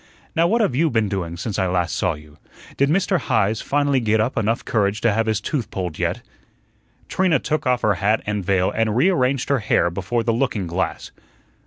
Now what have YOU been doing since I last saw you? Did Mr. Heise finally get up enough courage to have his tooth pulled yet?" Trina took off her hat and veil and rearranged her hair before the looking glass.